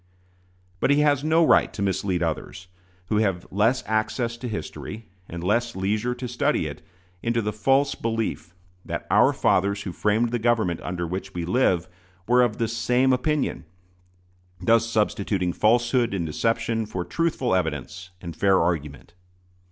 But he has no right to mislead others, who have less access to history, and less leisure to study it, into the false belief that "our fathers who framed the government under which we live" were of the same opinion thus substituting falsehood and deception for truthful evidence and fair argument.